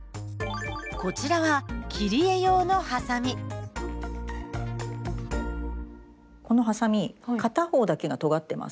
こちらはこのハサミ片方だけがとがってます。